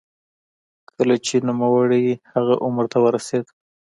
کله چې نوموړی هغه عمر ته ورسېد.